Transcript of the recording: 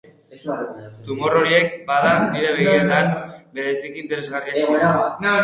Tumor horiek, bada, nire begietan, bereziki interesgarriak ziren.